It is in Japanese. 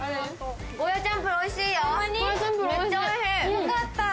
よかった。